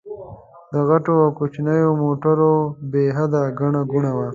د غټو او کوچنيو موټرو بې حده ګڼه ګوڼه وه.